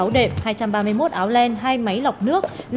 năm mươi sáu đệm hai trăm ba mươi một áo len hai máy lọc nước